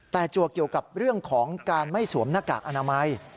แต่จวกเกี่ยวกับเรื่องของการไม่สวมหน้ากากอนามัย